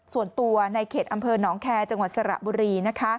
ส่วนตัวในเขตอำเภอหนองแคร์จังหวัดสระบุรี